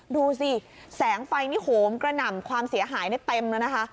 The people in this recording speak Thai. ดูสิแสงไฟนี่โหมกระหน่ำความเสียหายได้เต็มแล้วนะคะ